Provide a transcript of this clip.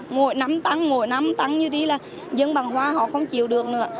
mỗi năm tăng mỗi năm tăng như thế là dân bán hoa họ không chịu được nữa